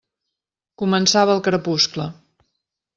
Començava el crepuscle.